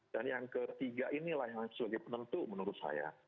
dan yang ketiga inilah yang harus dipenentu menurut saya